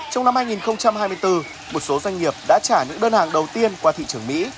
trong năm hai nghìn hai mươi bốn một số doanh nghiệp đã trả những đơn hàng đầu tiên qua thị trường mỹ